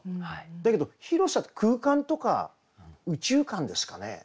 だけど広さって空間とか宇宙観ですかね。